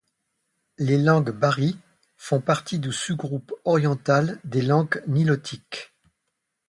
Les langues bari font partie du sous-groupe oriental des langues nilotiques.